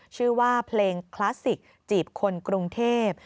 ชื่อว่าเพลงคลาสสิกจีบคนกรุงเทพ